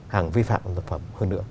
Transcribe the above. hàng vi phạm thực phẩm hơn nữa